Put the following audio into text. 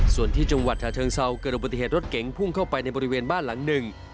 ส่วนที่จังหวัดชาเชิงเซาเกิดอุบัติเหตุรถเก๋งพุ่งเข้าไปในบริเวณบ้านหลังหนึ่ง